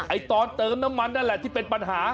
ตอนเติมน้ำมันนั่นแหละที่เป็นปัญหา